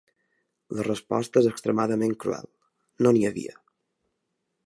La resposta és extremadament cruel: ‘No n’hi havia’.